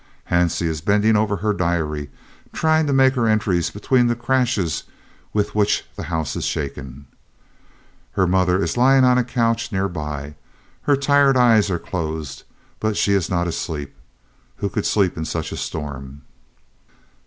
Hansie is bending over her diary, trying to make her entries between the crashes with which the house is shaken. Her mother is lying on a couch near by; her tired eyes are closed, but she is not asleep. Who could sleep in such a storm?